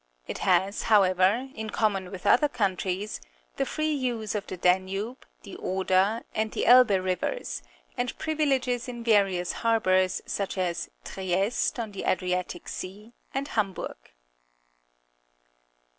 It has, however, in common with other coimtries, the free use of the Danube, the Oder, and the Elbe Rivers, and privileges in various harbours, such as Trieste, on the Adriatic Sea, and Hamburg.